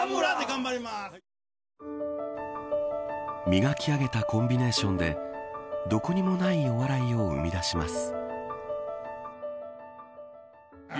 磨き上げたコンビネーションでどこにもないお笑いを生み出します。